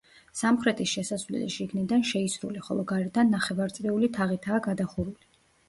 სამხრეთის შესასვლელი შიგნიდან შეისრული, ხოლო გარედან ნახევარწრიული თაღითაა გადახურული.